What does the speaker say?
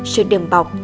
sự đừng bọc